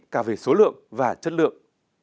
cả về số lượng và chất lượng